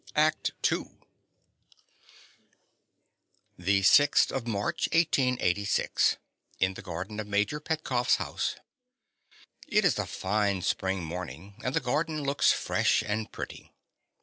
_) ACT II The sixth of March, 1886. In the garden of major Petkoff's house. It is a fine spring morning; and the garden looks fresh and pretty.